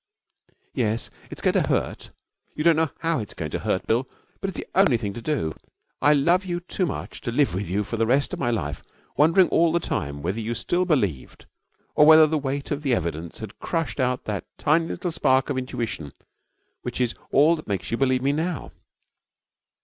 'Yes. It's going to hurt. You don't know how it's going to hurt, Bill; but it's the only thing to do. I love you too much to live with you for the rest of my life wondering all the time whether you still believed or whether the weight of the evidence had crushed out that tiny little spark of intuition which is all that makes you believe me now.